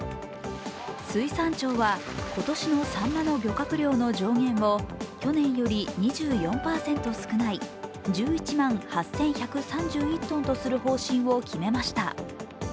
水産庁は今年のさんまの漁獲量の上限を去年より２４％少ない１１万８１３１トンとする方針を決めました。